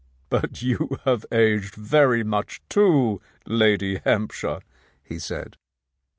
"But you have aged very much, too, Lady Hamp shire," he said.